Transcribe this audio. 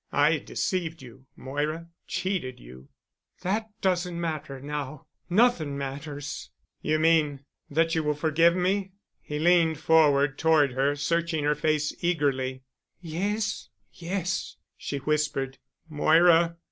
"I deceived you, Moira—cheated you——" "That doesn't matter now—nothing matters——" "You mean—that you will forgive me?" He leaned forward toward her, searching her face eagerly. "Yes—yes," she whispered. "Moira!"